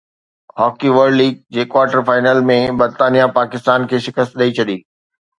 hockey world league جي quarter final ۾ برطانيا پاڪستان کي شڪست ڏئي ڇڏي